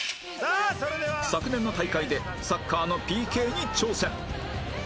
昨年の大会でサッカーの ＰＫ に挑戦